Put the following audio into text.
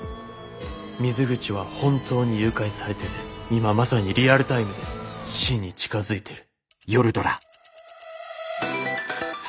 水口は本当に誘拐されてて今まさにリアルタイムで死に近づいてる。